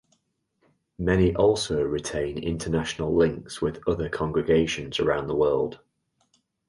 Many also retain international links with other congregations around the world.